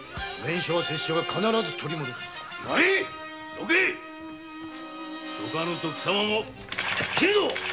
どけどかぬと貴様も斬るぞ！